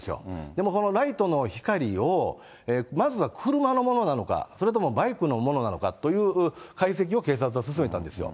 でもこのライトの光を、まずは車のものなのか、それともバイクのものなのかという解析を警察は進めたんですよ。